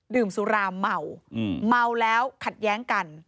ดื่มสุราเมาเมาแล้วขัดแย้งกัน